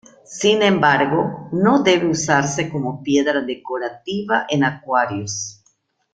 Sin embargo, no debe usarse como piedra decorativa en acuarios.